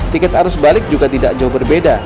tiket arus balik juga tidak jauh berbeda